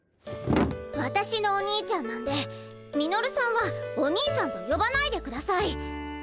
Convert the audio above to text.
わたしのお兄ちゃんなんでミノルさんはお兄さんとよばないでください。